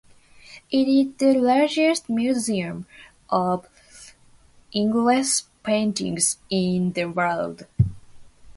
It is the largest museum of Ingres paintings in the world.